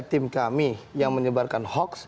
tim kami yang menyebarkan hoax